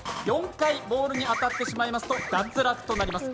４回ボールに当たってしまいますと脱落となります。